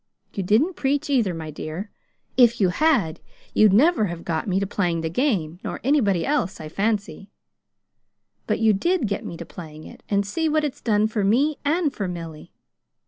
You didn't preach, either, my dear. If you had, you'd never have got me to playing the game, nor anybody else, I fancy. But you did get me to playing it and see what it's done for me, and for Milly!